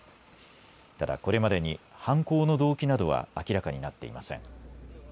ただ、これまでに犯行の動機などは明らかになっていません。